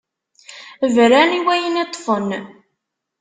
Bran i wayen i ṭṭfen.